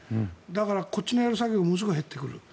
だから、こっちのやる作業がものすごい減ってくる。